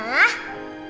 harus banget ma